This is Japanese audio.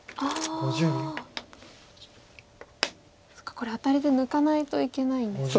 これアタリで抜かないといけないんですね。